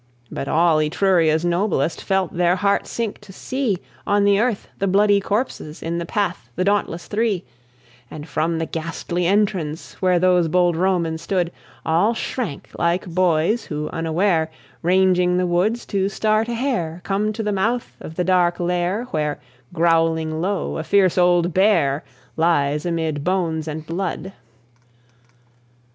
But all Etruria's noblest Felt their hearts sink to see On the earth the bloody corpses, In the path the dauntless Three: And, from the ghastly entrance Where those bold Romans stood, All shrank, like boys who unaware, Ranging the woods to start a hare, Come to the mouth of the dark lair Where, growling low, a fierce old bear Lies amid bones and blood.